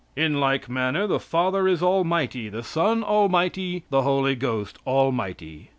"In like manner, the Father is almighty, the Son almighty, the Holy Ghost almighty."